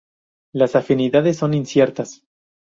Las afinidades son inciertas.